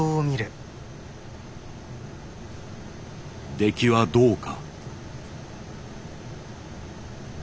出来はどうか。